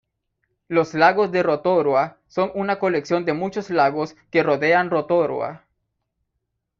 Los lagos de Rotorua son una colección de muchos lagos que rodean Rotorua.